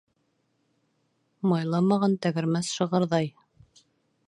Майламаған тәгәрмәс шығырҙай.